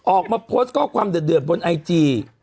ออกมาโพสต์ข้อความเดือดบนไอจี